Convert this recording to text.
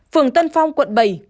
phường tân phong quận bảy